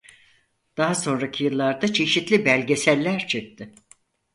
Daha sonraki yıllarda çeşitli belgeseller çekti.